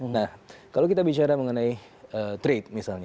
nah kalau kita bicara mengenai trade misalnya